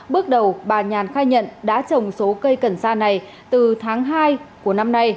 bước đầu bà nhàn khai nhận đã trồng số cây cần sa này từ tháng hai của năm nay